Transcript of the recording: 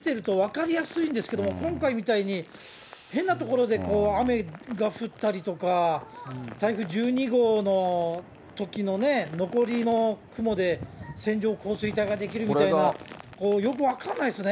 ぎゅっとまとまった形で、なんか予想図見てると、分かりやすいんですけども、今回みたいに変な所で雨が降ったりとか、台風１２号のときのね、残りの雲で線状降水帯が出来るみたいな、よく分かんないですね。